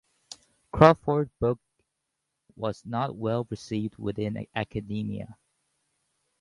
Crawford's book was not well received within academia.